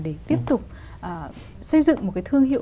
để tiếp tục xây dựng một cái thương hiệu